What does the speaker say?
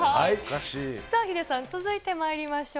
さあ、ヒデさん、続いてまいりましょう。